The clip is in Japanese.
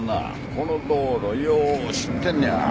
この道路よう知ってんのや。